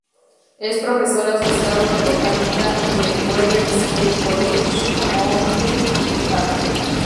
Es profesor asociado de Botánica en el "Weber State College", Ogden, Utah.